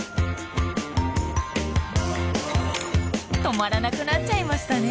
止まらなくなっちゃいましたね。